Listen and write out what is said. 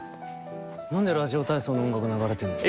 何で「ラジオ体操」の音楽流れてるの。